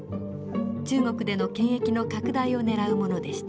中国での権益の拡大をねらうものでした。